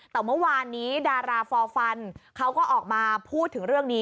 แต่เมื่อวานนี้ดาราฟอร์ฟันเขาก็ออกมาพูดถึงเรื่องนี้